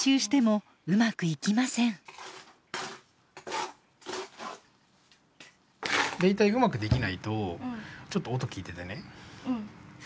大体うまくできないとちょっと音聞いててね。